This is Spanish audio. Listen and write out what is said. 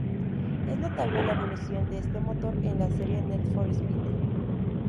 Es notable la evolución de este motor en la serie Need for Speed.